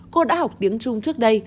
cô đã học tiếng trung trước đây